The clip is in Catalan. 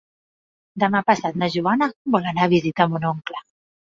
Demà passat na Joana vol anar a visitar mon oncle.